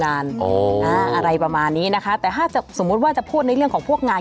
อะไรประมาณนี้นะคะแต่ถ้าจะสมมุติว่าจะพูดในเรื่องของพวกงาน